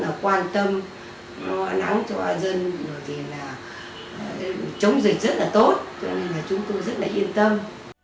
nó nắng cho dân chống dịch rất là tốt cho nên chúng tôi rất yên tâm